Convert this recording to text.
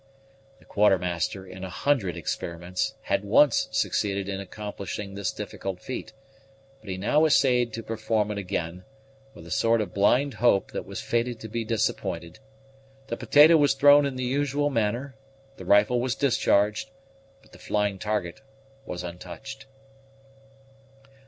The Quartermaster, in a hundred experiments, had once succeeded in accomplishing this difficult feat; but he now essayed to perform it again, with a sort of blind hope that was fated to be disappointed. The potato was thrown in the usual manner, the rifle was discharged, but the flying target was untouched.